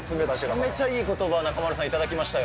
めちゃめちゃいいことばを中丸さん、頂きましたよ。